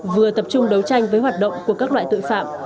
vừa tập trung đấu tranh với hoạt động của các loại tội phạm